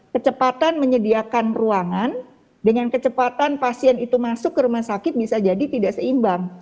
kecepatan menyediakan ruangan dengan kecepatan pasien itu masuk ke rumah sakit bisa jadi tidak seimbang